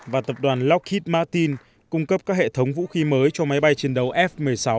và tập đoàn lockhet mattin cung cấp các hệ thống vũ khí mới cho máy bay chiến đấu f một mươi sáu